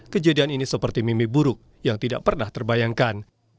kejadian ini seperti mimi buruk yang tidak pernah terbayangkan